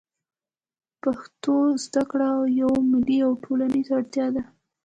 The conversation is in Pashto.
پښتو زده کړه یوه ملي او ټولنیزه اړتیا ده